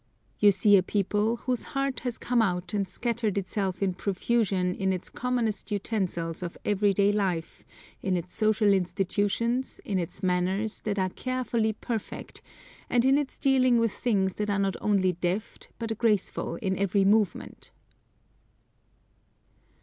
You see a people, whose heart has come out and scattered itself in profusion in its commonest utensils of everyday life in its social institutions, in its manners, that are carefully perfect, and in its dealings with things that are not only deft, but graceful in every movement.